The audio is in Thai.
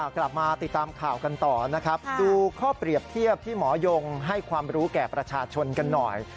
กลับมาติดตามข่าวกันต่อนะครับดูข้อเปรียบเทียบที่หมอยงให้ความรู้แก่ประชาชนกันหน่อย